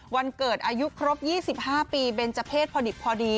วันเกิดอายุครบ๒๕ปีเบนเจอร์เพศพอดิบพอดี